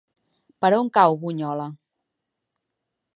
Per on cau Bunyola?